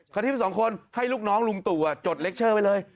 ที่ทั้งสองคนให้ลูกน้องลุงตู่จดเล็กเชอร์ไว้เลย